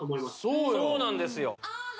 そうなんですよ